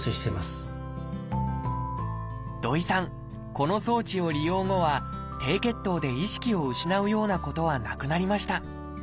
この装置を利用後は低血糖で意識を失うようなことはなくなりました